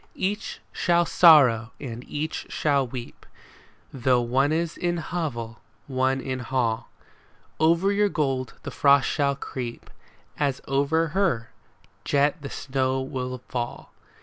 Each shall sorrow and each shall weep. Though one is in hovel, one in hall ; Over your gold the frost shall creep, As over her jet the snows will fall.